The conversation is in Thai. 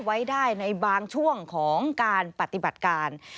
ไว้ได้ในบางช่วงของการปฏิบัติการ